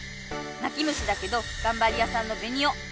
「『な』き虫だけどがんばりやさんのベニ『オ』」！